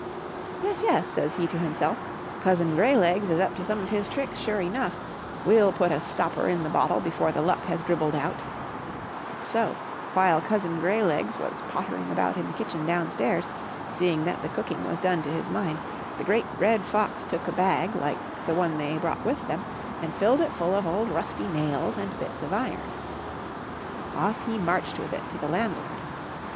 " Yes, yes," says he to himself, " Cousin Greylegs is up to some of his tricks, sure enough ; we'll put a stopper in the bottle before the luck has dribbled out." So while Cousin Greylegs was pottering about in the kitchen down stairs, seeing that the cooking was done to his mind, the Great Red Fox took a bag like the atoapfromt^um^carrpiiigoCFa 84 COUSIN GREYLEGS AND GRANDFATHER MOLE. one they brought with them, and filled it full of old rusty nails and bits of iron. Off he marched with it to the landlord.